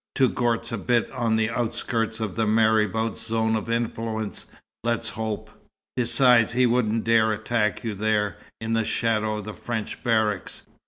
Touggourt's a bit on the outskirts of the marabout's zone of influence, let's hope. Besides, he wouldn't dare attack you there, in the shadow of the French barracks.